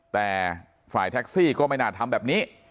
แต่ฝ่ายแท็กซี่ก็ไม่น่าทำแบบนี้